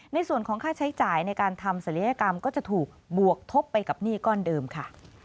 ในส่วนของค่าใช้จ่ายในการทำศัลยกรรมก็จะถูกบวกทบไปกับหนี้ก้อนเดิมค่ะ